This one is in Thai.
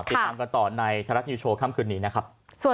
ติดตามกันต่อในไทยรัฐนิวโชว์ค่ำคืนนี้นะครับ